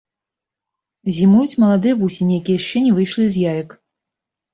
Зімуюць маладыя вусені, якія яшчэ не выйшлі з яек.